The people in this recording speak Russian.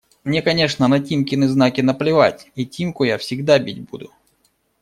Мне, конечно, на Тимкины знаки наплевать, и Тимку я всегда бить буду…